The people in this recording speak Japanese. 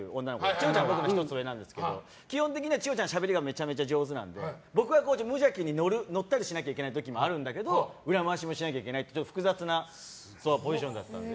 チホちゃんは僕の１つ上なんですけど基本的にチホちゃんは話がめちゃめちゃ上手なんで僕が無邪気に乗ったりしなきゃいけない時もあるけど裏回しもしなきゃいけないという複雑なポジションだったので。